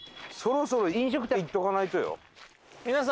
そろそろ飲食店行っとかないとよ。